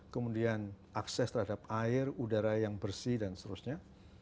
kemudian akses terhadap air udara yang bersih dan seterusnya